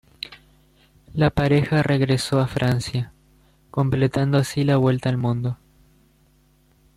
La pareja regresó a Francia, completando así la vuelta al mundo.